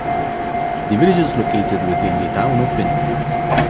The village is located within the Town of Benton.